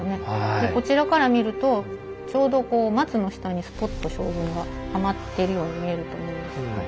でこちらから見るとちょうどこう松の下にスポッと将軍がはまってるように見えると思うんですがえ！